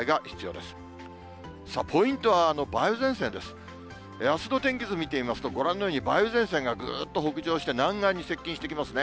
あすの天気図見てみますと、ご覧のように、梅雨前線がぐーっと北上して、南岸に接近してきますね。